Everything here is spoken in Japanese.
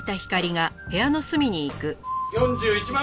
４１万。